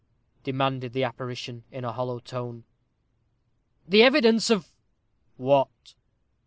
demanded the apparition, in a hollow tone. "The evidence of " "What?"